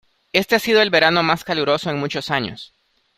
Este ha sido el verano más caluroso en muchos años.